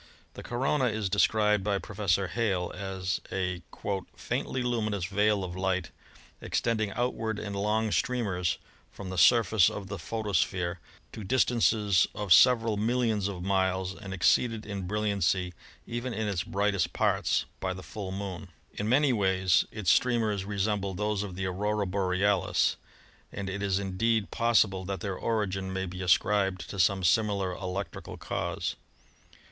The corona is described by Professor Hale as a "faintly luminous veil of light extending outward in long streamers from the surface of the photosphere to dis tances of several millions of miles, and exceeded in bril liancy, even in its brightest parts, by the full Moon. In many ways its streamers resemble those of the Aurora Borealis, and it is indeed possible that their origin may be ascribed to some similar electrical cause.